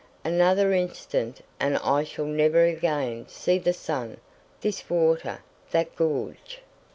Another instant and I shall never again see the sun, this water, that gorge!..."